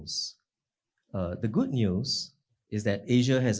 berita baik adalah bahwa asia memiliki